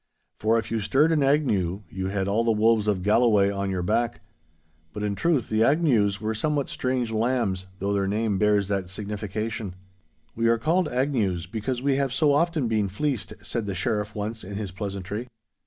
For if you stirred an Agnew, you had all the wolves of Galloway on your back! But in truth the Agnews were somewhat strange 'lambs,' though their name bears that signification. 'We are called Agnews because we have so often been fleeced,' said the Sheriff once in his pleasantry.